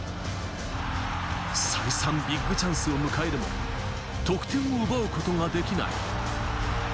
再三ビッグチャンスを迎えるも、得点を奪うことはできない。